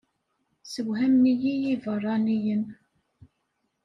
Ssewhamen-iyi yibeṛṛaniyen.